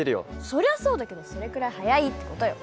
そりゃそうだけどそれくらい速いって事よ。